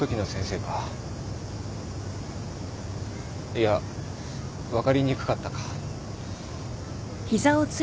いや分かりにくかったか。